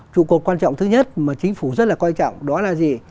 trụ cột quan trọng thứ nhất mà chính phủ rất là coi trọng đó là gì